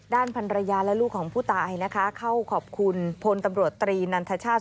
พันรยาและลูกของผู้ตายนะคะเข้าขอบคุณพลตำรวจตรีนันทชาติ